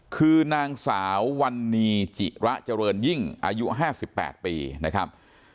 คือนางสาววันนีจิระเจริญยิ่งอายุ๕๘ปีนะครับ